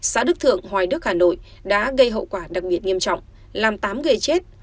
xã đức thượng hoài đức hà nội đã gây hậu quả đặc biệt nghiêm trọng làm tám người chết